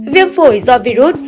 viêm phổi do virus